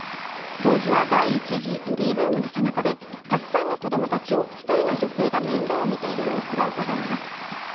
当時は第１次ベビーブームのさなかで、たくさんの子供たちを１人の女性が面倒をみている様子がうかがえます。